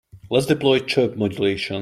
Let's deploy chirp modulation.